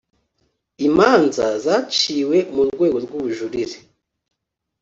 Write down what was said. imanza zaciwe ku rwego rw’ubujurire